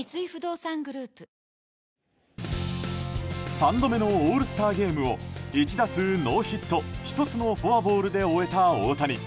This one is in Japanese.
３度目のオールスターゲームを１打数ノーヒット１つのフォアボールで終えた大谷。